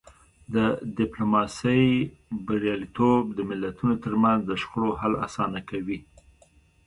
د ډیپلوماسی بریالیتوب د ملتونو ترمنځ د شخړو حل اسانه کوي.